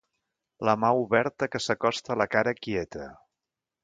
La mà oberta que s'acosta a la cara quieta.